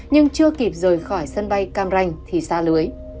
nhưng chưa kịp rời khỏi sân bay cam ranh thì xa lưới